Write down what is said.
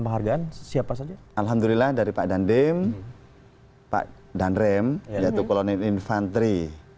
perhargaan siapa saja alhamdulillah dari pak dandim pak dan rem yaitu kolonel invanteri